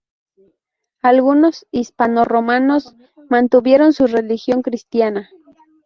Algunos hispanorromanos mantuvieron su religión cristiana.